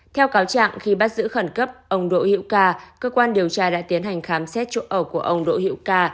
theo cáo trạng khi bắt giữ khẩn cấp ông đỗ hữu ca cơ quan điều tra đã tiến hành khám xét chỗ ở của ông đỗ hiệu ca